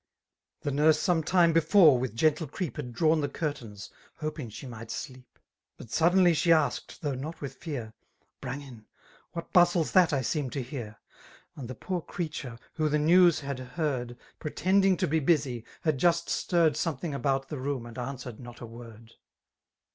The nurse smnedme before wkh gentle ci«ep Had drawn the curtains, hoping she might sleq): But suddenly 43he a^ed, though not with fear, ^' Brangin, what bustle's duit I seem to hear ?*' And the poor creature, who the news had heard. Pretending to be busy, had just stirred Something about the room^ and answered not a word.